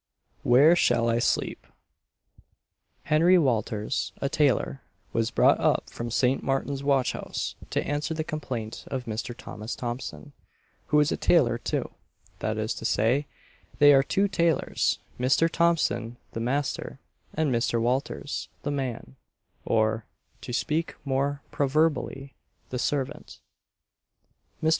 "WHERE SHALL I SLEEP?" Henry Walters, a tailor, was brought up from St. Martin's watch house, to answer the complaint of Mr. Thomas Thompson, who is a tailor too that is to say, they are two tailors; Mr. Thompson, the master, and Mr. Walters, the man or, to speak more proverbially, the servant. Mr.